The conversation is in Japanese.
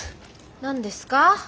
何ですか？